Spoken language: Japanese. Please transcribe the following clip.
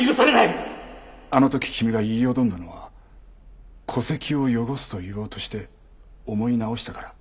あの時君が言いよどんだのは「戸籍を汚す」と言おうとして思い直したから。